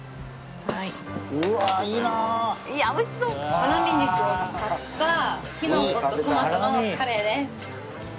ハラミ肉を使ったきのことトマトのカレーです。